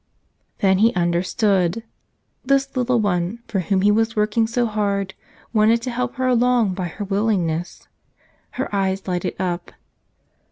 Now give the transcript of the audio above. Then he understood. This little one for whom he was working so hard wanted to help along by her will¬ ingness. His eyes lighted up.